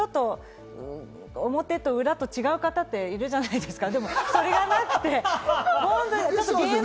表と裏と違う方っているじゃないですか。